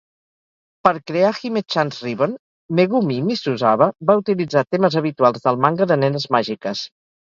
Per crear Hime-chan's Ribbon, Megumi Mizusawa va utilitzar temes habituals del manga de nenes màgiques.